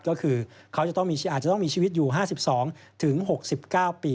ก็คือเขาอาจจะต้องมีชีวิตอยู่๕๒๖๙ปี